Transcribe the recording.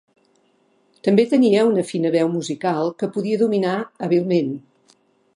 També tenia una fina veu musical, que podia dominar hàbilment.